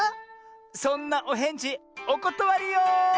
そんなおへんじおことわりよ！